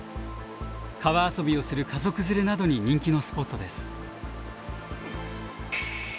川遊びをする家族連れなどに人気のスポットです。